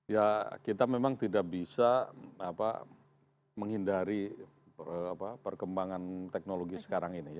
ya kita memang tidak bisa menghindari perkembangan teknologi sekarang ini